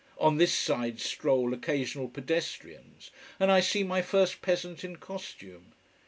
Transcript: On this side stroll occasional pedestrians. And I see my first peasant in costume.